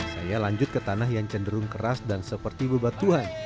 saya lanjut ke tanah yang cenderung keras dan seperti bebatuan